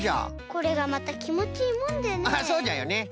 これがまたきもちいいもんでねえ。